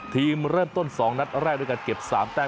ทีมเริ่มต้น๒นัดแรกด้วยการเก็บ๓แต้ม